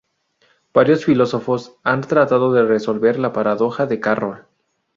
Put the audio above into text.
Varios filósofos han tratado de resolver la paradoja de Carroll.